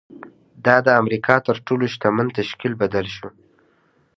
دا د امریکا تر تر ټولو شتمن تشکیل بدل شو